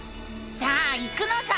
さあ行くのさ！